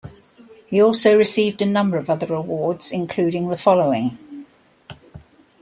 He also received a number of other awards, including the following.